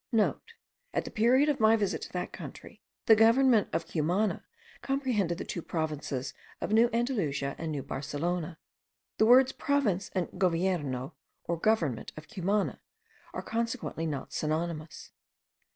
(* At the period of my visit to that country the government of Cumana comprehended the two provinces of New Andalusia and New Barcelona. The words province and govierno, or government of Cumana, are consequently not synonymous.